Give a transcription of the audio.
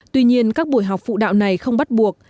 tuy nhiên các buổi học phụ đạo này không bắt buộc